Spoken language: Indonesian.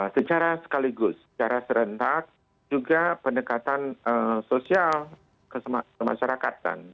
secara sekaligus secara serentak juga pendekatan sosial ke masyarakatan